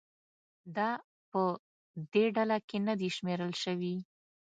دا په دې ډله کې نه دي شمېرل شوي.